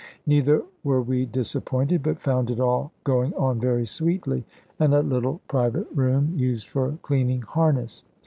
Neither were we disappointed, but found it all going on very sweetly, in a little private room used for cleaning harness.